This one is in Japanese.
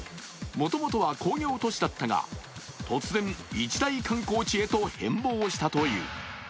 もともとは工業都市だったが突然一大観光地へと変貌したという。